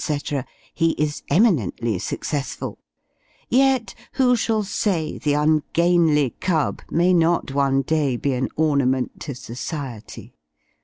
_, he is eminently successful yet, who shall say the ungainly cub may not one day be an ornament to society!